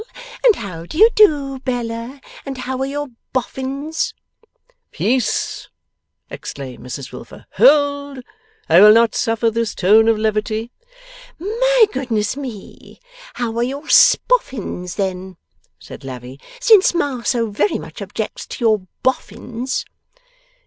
And how do you do, Bella? And how are your Boffins?' 'Peace!' exclaimed Mrs Wilfer. 'Hold! I will not suffer this tone of levity.' 'My goodness me! How are your Spoffins, then?' said Lavvy, 'since Ma so very much objects to your Boffins.